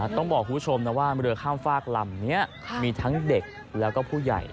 ต้องบอกคุณผู้ชมนะว่าเรือข้ามฝากลำนี้มีทั้งเด็กแล้วก็ผู้ใหญ่